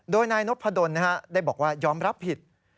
โดยนายนพดลได้บอกว่ายอมรับผิด